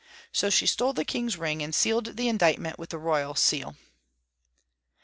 So she stole the king's ring, and sealed the indictment with the royal seal.